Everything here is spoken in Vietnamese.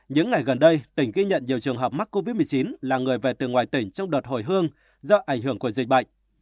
những ngày gần đây tỉnh ghi nhận nhiều trường hợp mắc covid một mươi chín là người về từ ngoài tỉnh trong đợt hồi hương do ảnh hưởng của dịch bệnh